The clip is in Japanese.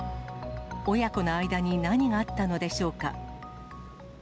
親子の間に何があったのでしょうか。